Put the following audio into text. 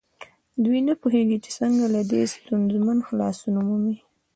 دوی نه پوهېږي چې څنګه له دې ستونزې خلاصون ومومي.